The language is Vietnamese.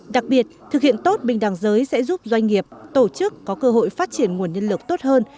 đặc biệt thực hiện tốt bình đẳng giới sẽ giúp doanh nghiệp tổ chức có cơ hội phát triển nguồn nhân lực tốt hơn